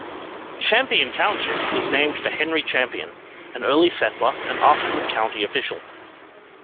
Champion Township was named for Henry Champion, an early settler and afterward county official.